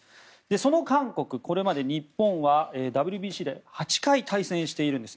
その韓国、これまで日本はＷＢＣで８回対戦しているんです。